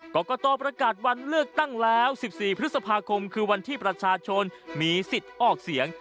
กรกตประกาศวันเลือกตั้งแล้ว๑๔พฤษภาคมคือวันที่ประชาชนมีสิทธิ์ออกเสียง